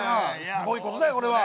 すごいことだよこれは。